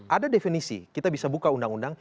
ada definisi kita bisa buka undang undang